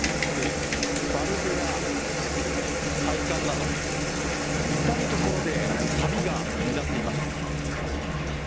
バルブや配管など至る所でさびが目立っています。